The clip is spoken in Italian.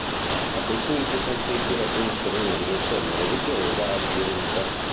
A quel punto i conflitti raggiunsero una dimensione religiosa aggiunta.